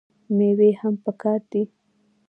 میوې هم پکار دي.